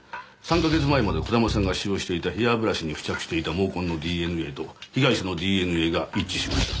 ３か月前まで児玉さんが使用していたヘアブラシに付着していた毛根のＤＮＡと被害者のＤＮＡが一致しました。